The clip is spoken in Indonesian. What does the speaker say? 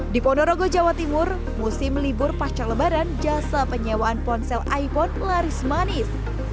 di ponorogo jawa timur musim libur pasca lebaran jasa penyewaan ponsel iphone laris manis